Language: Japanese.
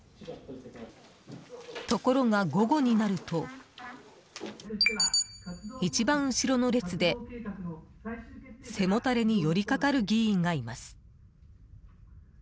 ところが、午後になると一番後ろの列で、背もたれに寄りかかる議員がいます。